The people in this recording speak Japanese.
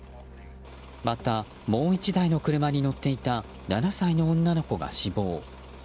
また、もう１台の車に乗っていた７歳の女の子が死亡。